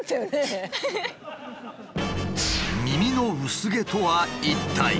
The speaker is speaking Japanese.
耳の薄毛とは一体？